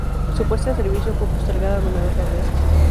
Su puesta en servicio fue postergada numerosas veces.